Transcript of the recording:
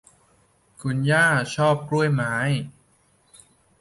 คุณย่าชอบกล้วยไม้